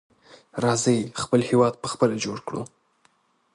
راځئ چې خپل هېواد په خپله جوړ کړو.